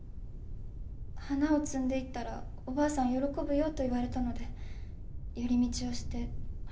「花を摘んでいったらおばあさん喜ぶよ」と言われたので寄り道をして花を摘みました。